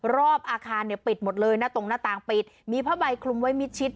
รอบอาคารเนี่ยปิดหมดเลยนะตรงหน้าต่างปิดมีผ้าใบคลุมไว้มิดชิด